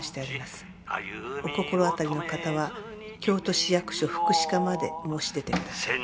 「お心当たりの方は京都市役所福祉課まで申し出てください」